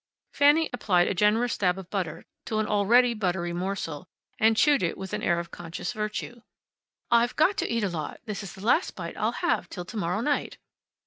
Fanny applied a generous dab of butter to an already buttery morsel, and chewed it with an air of conscious virtue. "I've got to eat a lot. This is the last bite I'll have until to morrow night."